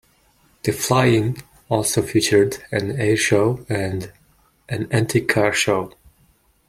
The fly-in also featured an air show and an antique car show.